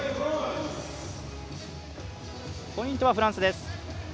ポイントはフランスです。